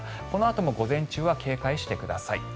このあとも午前中は警戒してください。